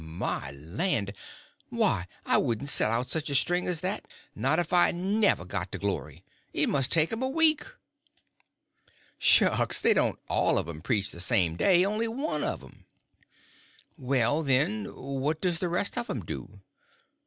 My land! Why, I wouldn't set out such a string as that, not if I never got to glory. It must take 'em a week." "Shucks, they don't all of 'em preach the same day—only one of 'em." "Well, then, what does the rest of 'em do?"